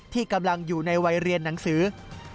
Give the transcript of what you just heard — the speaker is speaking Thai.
ที่กำลังอยู่ในวัยเรียนหนังสือ